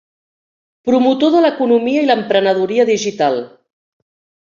Promotor de l'economia i l'emprenedoria digital.